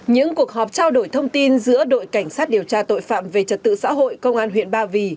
những cuộc họp trao đổi thông tin giữa đội cảnh sát điều tra tội phạm về trật tự xã hội công an huyện ba vì